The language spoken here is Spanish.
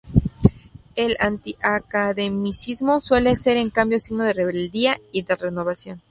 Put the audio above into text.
El anti-academicismo suele ser, en cambio, signo de rebeldía y de renovación.